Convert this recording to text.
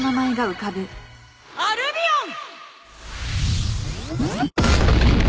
アルビオン！